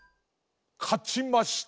かちました